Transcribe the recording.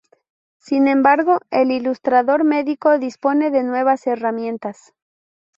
Sin embargo, el ilustrador medico dispone de nuevas herramientas.